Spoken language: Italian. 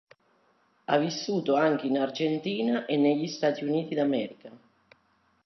Ha vissuto anche in Argentina e negli Stati Uniti d'America.